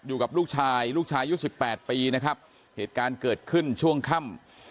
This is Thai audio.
อยู่กับลูกชายลูกชายอายุสิบแปดปีนะครับเหตุการณ์เกิดขึ้นช่วงค่ำ